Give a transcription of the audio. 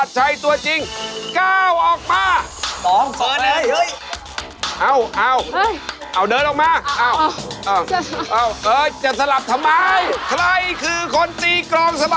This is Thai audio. กลับพบกับการแสดงชัยยะสะบัดชัยกันเลยครับ